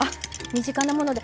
身近なもので。